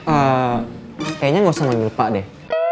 eh kayaknya gak usah ngambil pak deh